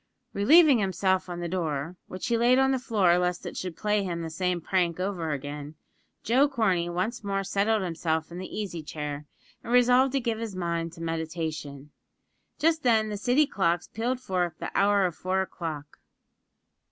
Relieving himself of the door, which he laid on the floor lest it should play him the same prank over again, Joe Corney once more settled himself in the easy chair and resolved to give his mind to meditation. Just then the City clocks pealed forth the hour of four o'clock.